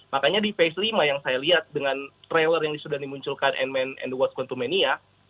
makanya di phase lima yang saya lihat dengan trailer yang sudah dimunculkan ant man and the wasp quantumania